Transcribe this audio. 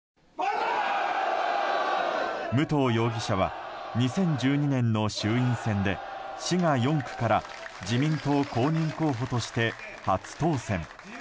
武藤容疑者は２０１２年の衆院選で滋賀４区から自民党公認候補として初当選。